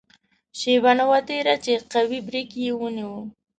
شېبه نه وه تېره چې قوي بریک یې ونیو.